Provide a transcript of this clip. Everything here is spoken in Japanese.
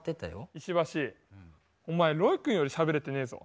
石橋お前ロイ君よりしゃべれてねえぞ。